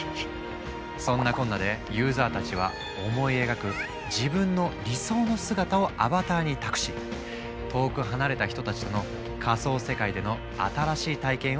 そんなこんなでユーザーたちは思い描く自分の理想の姿をアバターに託し遠く離れた人たちとの仮想世界での新しい体験を楽しんだんだ。